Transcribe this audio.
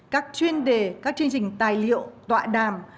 các chuyên đề các chương trình tài liệu tọa đàm